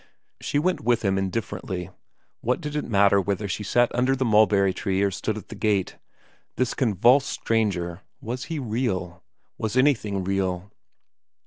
She went with him indifferently. What did it matter whether she sat under the mulberry tree or stood at the gate ? This convulsed stranger was he real ? Was anything real